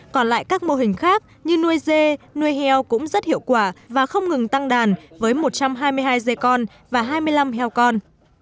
còn lại các mô hình khác như nuôi dê nuôi heo cũng rất hiệu quả và không ngừng tăng đàn với một trăm hai mươi hai dê con và hai mươi năm heo con